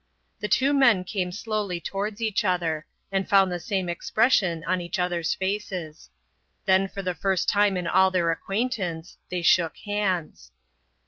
The two men came slowly towards each other, and found the same expression on each other's faces. Then, for the first time in all their acquaintance, they shook hands.